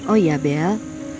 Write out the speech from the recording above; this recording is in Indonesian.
oh ya bel